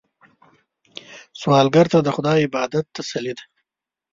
سوالګر ته د خدای عبادت تسلي ده